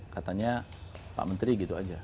katanya pak menteri gitu aja